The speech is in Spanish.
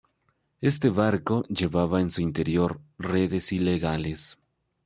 Este barco llevaba en su interior redes ilegales.